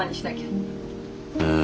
うん。